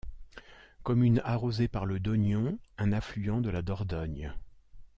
Commune arrosée par le Dognon, un affluent de la Dordogne.